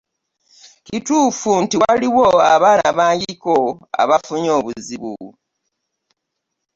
Kituufu nti waliwo abaana bangiko abafunye obuzibu.